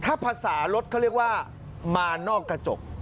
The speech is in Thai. ถ้าภาษารถเขาเรียกว่ามานอกกระจก